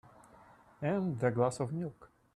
And a glass of milk.